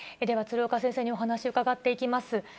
では、鶴岡先生にお話を伺っていきます。